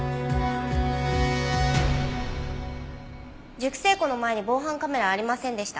熟成庫の前に防犯カメラはありませんでした。